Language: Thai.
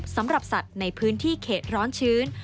สำหรับสัตว์ในพื้นที่เขตร้อนชื้น